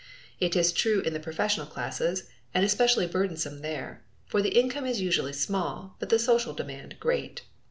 It is true in the professional classes, and especially burdensome there; for the income is usually small, but the social demand great.